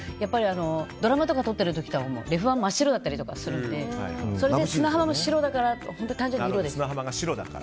ドラマとか撮ってる時とかレフ板が真っ白だったりするのでそれで砂浜も白だから単純に色です。